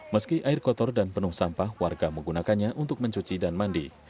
meski air kotor dan penuh sampah warga menggunakannya untuk mencuci dan mandi